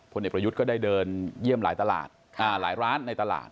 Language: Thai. คนเด็ดประยุทธ์ก็ได้เดินเยี่ยมหลายล้านในตลาด